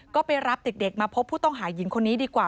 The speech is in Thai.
ก็ไปรับเด็กมาพบผู้ต้องหาหญิงคนนี้ดีกว่า